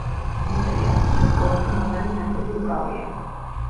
მეტრია, ციხის ყველაზე მაღალი ნაწილი უკავია.